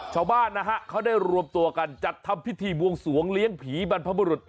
ชาวบ้านนะฮะเขาได้รวมตัวกันจัดทำพิธีบวงสวงเลี้ยงผีบรรพบุรุษ